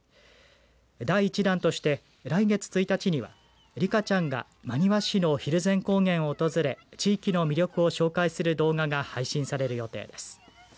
第１弾として、来月１日にはリカちゃんが真庭市の蒜山高原を訪れ地域の魅力を紹介する動画が配信される予定です。